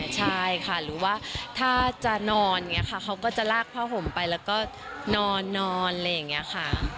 ใช่ค่ะหรือว่าถ้านอนเขาก็จะลากผ้าผมไปแล้วก็นอนอะไรอย่างนี้ค่ะ